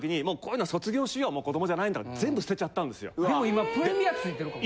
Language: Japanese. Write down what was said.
でも今プレミアついてるかも。